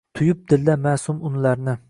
Tuyib dilda masʼum unlarni